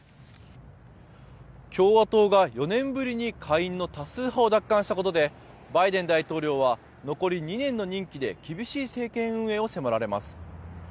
共和党が４年ぶりに下院の多数派を奪還したことでバイデン大統領は残り２年の任期で厳しい政権運営を迫られます。